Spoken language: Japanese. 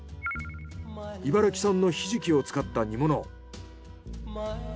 茨城産のひじきを使った煮物。